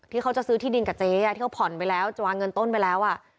เขาจะซื้อที่ดินกับเจ๊ที่เขาผ่อนไปแล้วจะวางเงินต้นไปแล้ว